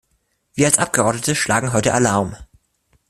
Wir als Abgeordnete schlagen heute Alarm!